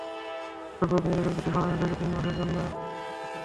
একটু খোঁজ নিয়ে দেখেন, ব্রিটিশ পার্লামেন্ট থেকে তিনি তিন মাসের জন্য এক্সপেলড।